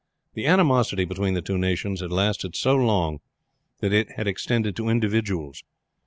The animosity between the two nations had lasted so long that it had extended to individuals.